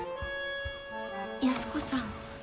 ・安子さん。